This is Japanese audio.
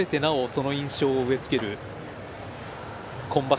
その印象を植えつける今場所